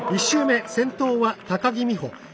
１周目、先頭は高木美帆。